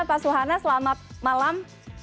pak suhana selamat malam